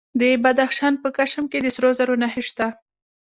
د بدخشان په کشم کې د سرو زرو نښې شته.